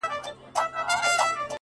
o دا دی د مرګ؛ و دایمي محبس ته ودرېدم ؛